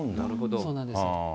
そうなんですよ。